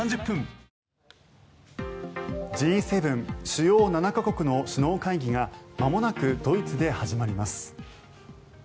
Ｇ７・主要７か国の首脳会議がまもなくドイツで始まります。